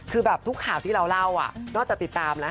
คือแบบทุกข่าวที่เราเล่านอกจากติดตามนะ